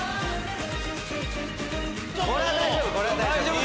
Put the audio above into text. これは大丈夫。